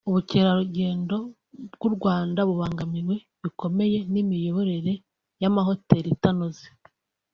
“Ubukerarugendo bw’u Rwanda bubangamiwe bikomeye n’imiyoborerwe y’amahotel itanoze